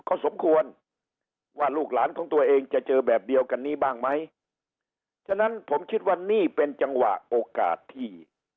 เขาสมควรว่าลูกหลานของตัวเองจะเจอแบบเดียวกันนี้บ้างไหมฉะนั้นผมคิดว่านี่เป็นจังหวะโอกาสที่